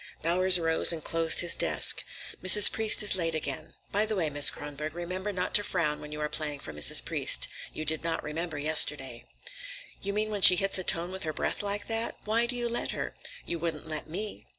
Bowers rose and closed his desk. "Mrs. Priest is late again. By the way, Miss Kronborg, remember not to frown when you are playing for Mrs. Priest. You did not remember yesterday." "You mean when she hits a tone with her breath like that? Why do you let her? You wouldn't let me."